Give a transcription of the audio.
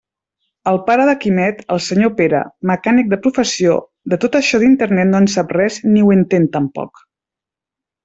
El pare de Quimet, el senyor Pere, mecànic de professió, de tot això d'Internet no en sap res, ni ho entén tampoc.